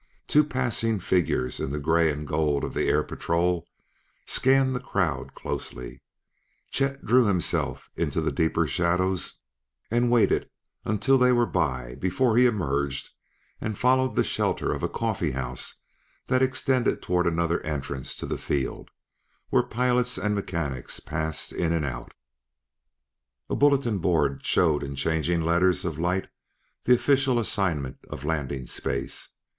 Two passing figures in the gray and gold of the Air Patrol scanned the crowd closely; Chet drew himself into the deeper shadows and waited until they were by before he emerged and followed the shelter of a coffee house that extended toward another entrance to the field, where pilots and mechanics passed in and out. A bulletin board showed in changing letters of light the official assignment of landing space.